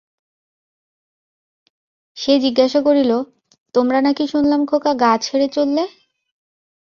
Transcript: সে জিজ্ঞাসা করিল-তোমরা নাকি শোনলাম খোকা গা ছেড়ে চল্লে?